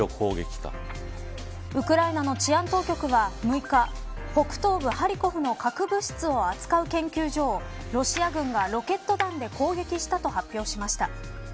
ウクライナの治安当局は６日北東部ハリコフの核物質を扱う研究所をロシア軍がロケット弾で攻撃したと発表しました。